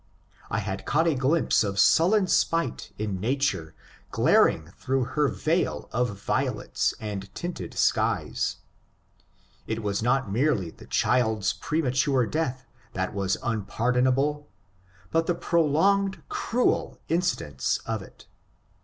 I had caught a glimpse of sullen spite in nature glaring through her veil of violets and tinted skies. It was not merely the child's premature death that was unpardonable, but the prolonged cruel incidents of it.